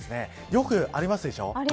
よくありますでしょ。